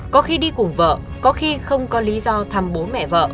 có khi đi cùng vợ có khi không có lý do thăm bố mẹ vợ